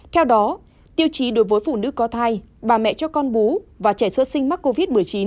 theo đó tiêu chí đối với phụ nữ có thai bà mẹ cho con bú và trẻ sơ sinh mắc covid một mươi chín